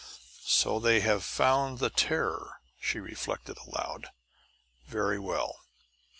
"So they have found the terror," she reflected aloud. "Very well.